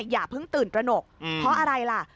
อย่าเพิ่งตื่นตระหนกเพราะอะไรล่ะ